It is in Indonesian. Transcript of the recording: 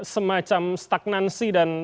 semacam stagnansi dan